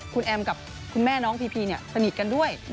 คุณแอมกับคุณแม่น้องพีพีสนิทกันด้วย